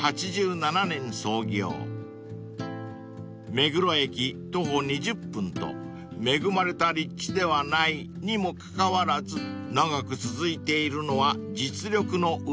［目黒駅徒歩２０分と恵まれた立地ではないにもかかわらず長く続いているのは実力の裏返し］